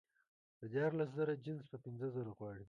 د دیارلس زره جنس په پینځه زره غواړي